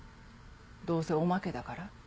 どうせおまけだから？